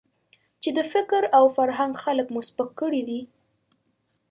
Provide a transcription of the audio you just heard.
چې د فکر او فرهنګ خلک مو سپک کړي دي.